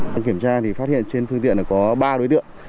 đang kiểm tra thì phát hiện trên phương tiện có ba đối tượng